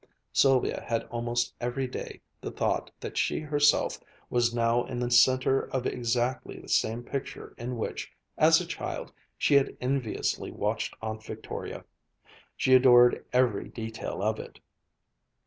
Sylvia had almost every day the thought that she herself was now in the center of exactly the same picture in which, as a child, she had enviously watched Aunt Victoria. She adored every detail of it.